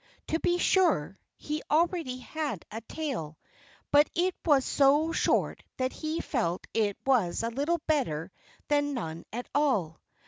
To be sure, he already had a tail but it was so short that he felt it was little better than none at all.